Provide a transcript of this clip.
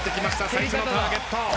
最初のターゲット。